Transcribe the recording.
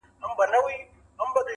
څوک چي ستا په قلمرو کي کړي ښکارونه.!